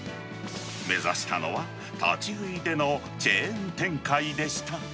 目指したのは、立ち食いでのチェーン展開でした。